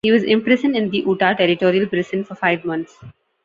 He was imprisoned in the Utah Territorial Prison for five months.